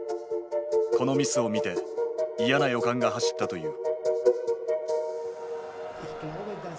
このミスを見て嫌な予感が走ったという。